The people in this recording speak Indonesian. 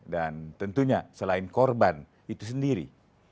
dan tentunya selain korban itu sendiri